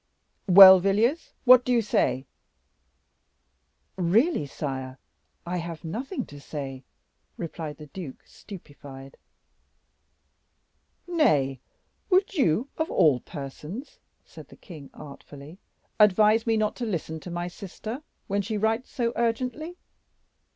"Well, Villiers, what do you say?" "Really, sire, I have nothing to say," replied the duke, stupefied. "Nay, would you, of all persons," said the king, artfully, "advise me not to listen to my sister when she writes so urgently?"